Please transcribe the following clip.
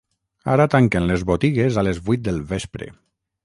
Ara tanquen les botigues a les vuit del vespre.